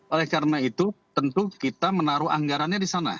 oleh karena itu tentu kita menaruh anggarannya di sana